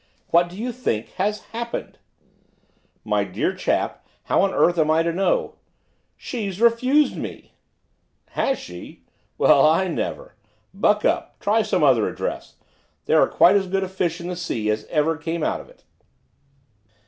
'What do you think has happened?' 'My dear chap, how on earth am I to know?' 'She's refused me!' 'Has she! Well I never! Buck up, try some other address, there are quite as good fish in the sea as ever came out of it.